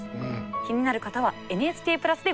気になる方は「ＮＨＫプラス」でご覧下さい。